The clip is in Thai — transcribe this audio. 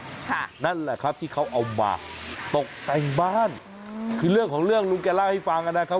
ค่ะนั่นแหละครับที่เขาเอามาตกแต่งบ้านคือเรื่องของเรื่องลุงแกเล่าให้ฟังนะครับ